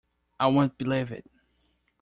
I won’t believe it.